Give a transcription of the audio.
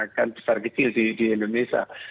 akan besar kecil di indonesia